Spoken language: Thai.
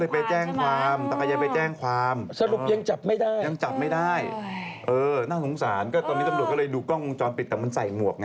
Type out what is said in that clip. ก็เลยไปแจ้งความตะกายายไปแจ้งความยังจับไม่ได้น่าสงสารตอนนี้ตำรวจก็เลยดูกล้องจรปิดแต่มันใส่หมวกไง